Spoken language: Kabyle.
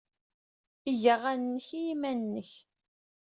Eg aɣanen-nnek i yiman-nnek.